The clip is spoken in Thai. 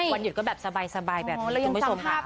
วันหยุดก็แบบสบายแบบนี้ไม่สมหา